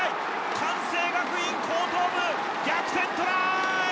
関西学院高等部逆転トライ！